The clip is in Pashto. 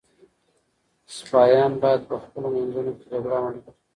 سپایان باید په خپلو منځونو کي جګړه ونه کړي.